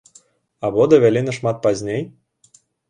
Або давялі нашмат пазней?